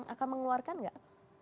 akan mengeluarkan enggak